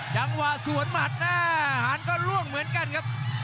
จังหวะสวนหมัดหน้าหารก็ล่วงเหมือนกันครับ